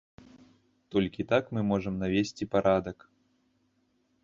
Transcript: Толькі так мы можам навесці парадак.